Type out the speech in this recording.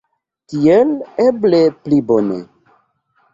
Tiel eble pli bone.